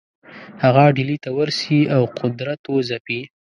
هغه ډهلي ته ورسي او قدرت وځپي.